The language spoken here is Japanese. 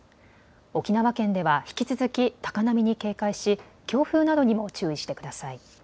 沖縄県では引き続き高波に警戒し強風などにも注意してください。